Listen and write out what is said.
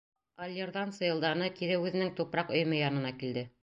Алйырҙан сыйылданы, кире үҙенең тупраҡ өйөмө янына килде.